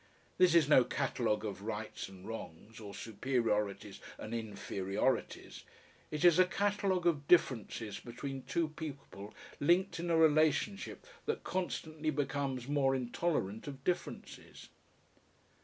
This is no catalogue of rights and wrongs, or superiorities and inferiorities; it is a catalogue of differences between two people linked in a relationship that constantly becomes more intolerant of differences.